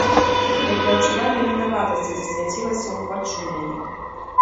Як бы адчуванне вінаватасці засвяцілася ўваччу яе.